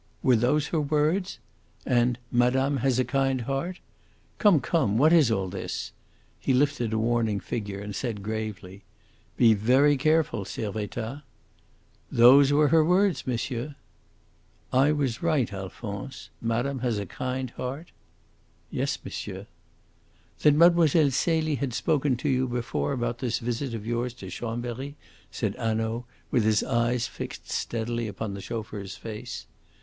Were those her words? And 'Madame has a kind heart.' Come, come, what is all this?" He lifted a warning finger and said gravely, "Be very careful, Servettaz." "Those were her words, monsieur." "'I was right, Alphonse. Madame has a kind heart'?" "Yes, monsieur." "Then Mlle. Celie had spoken to you before about this visit of yours to Chambery," said Hanaud, with his eyes fixed steadily upon the chauffeur's face.